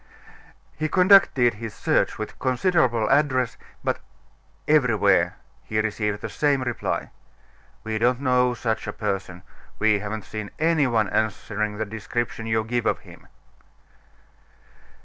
He conducted his search with considerable address, but everywhere he received the same reply. "We don't know such a person; we haven't seen any one answering the description you give of him."